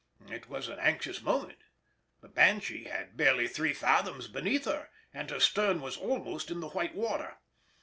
It was an anxious moment; the Banshee had barely three fathoms beneath her, and her stern was almost in the white water.